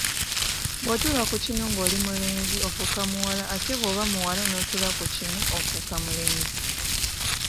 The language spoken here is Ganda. Bw’otuula ku kinu ng’oli mulenzi ofuuka muwala ate bw’oba muwala n’otuula ku kinu ofuuka mulenzi.